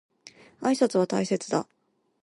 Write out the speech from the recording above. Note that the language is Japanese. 挨拶は大切だ。